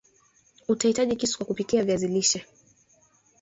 Utahitaji kisu wa kupikia viazi lishe